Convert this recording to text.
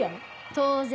当然。